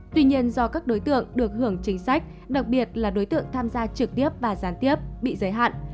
tuy nhiên do các đối tượng được hưởng chính sách đặc biệt là đối tượng tham gia trực tiếp và gián tiếp bị giới hạn